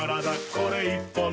これ１本で」